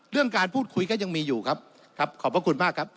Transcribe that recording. เรื่องการพูดคุยก็ยังมีอยู่ครับครับขอบพระคุณมากครับ